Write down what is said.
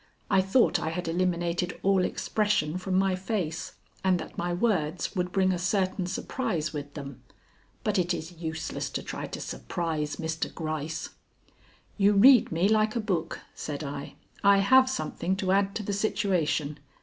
I thought I had eliminated all expression from my face, and that my words would bring a certain surprise with them. But it is useless to try to surprise Mr. Gryce. "You read me like a book," said I; "I have something to add to the situation.